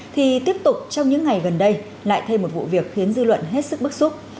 thì tiếp tục trong những ngày gần đây lại thêm một vụ việc khiến dư luận hết sức bức xúc